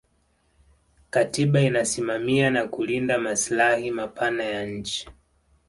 katiba inasimamia na kulinda maslahi mapana ya nchi